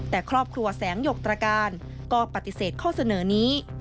แต่ครอบครัวแสงหยกตรการก็ปฏิเสธข้อเสนอนี้